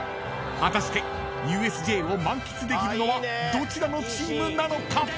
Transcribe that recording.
［果たしてＵＳＪを満喫できるのはどちらのチームなのか？］